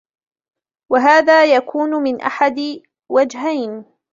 وَهَذَا يَكُونُ مِنْ أَحَدِ وَجْهَيْنِ